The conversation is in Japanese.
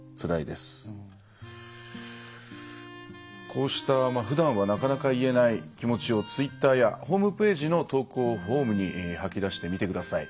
こうしたふだんはなかなか言えない気持ちをツイッターやホームページの投稿フォームに吐き出してみてください。